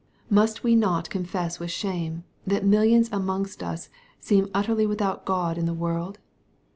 Must we not confess with shame, that millions amongst us seem utterly without God in the world